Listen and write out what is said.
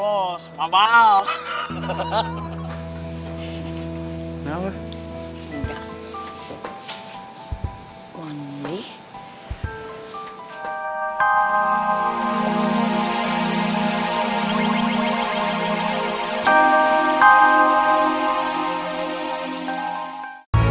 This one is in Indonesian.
om mbah ke dalam yah